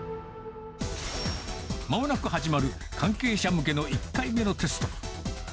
まもなく始まる関係者向けの１回目のテスト。